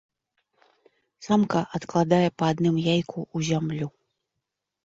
Самка адкладае па адным яйку ў зямлю.